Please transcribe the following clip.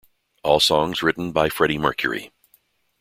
All songs written by Freddie Mercury.